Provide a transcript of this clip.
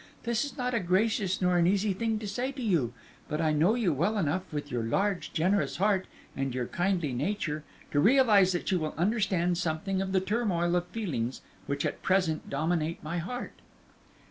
This is not a gracious nor an easy thing to say to you, but I know you well enough, with your large, generous heart and your kindly nature, to realize that you will understand something of the turmoil of feelings which at present dominate my heart."